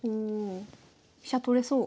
飛車取れそう。